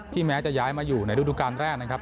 แม้จะย้ายมาอยู่ในฤดูการแรกนะครับ